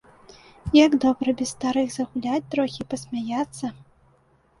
Як добра без старых загуляць трохі і пасмяяцца!